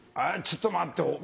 えちょっと待って。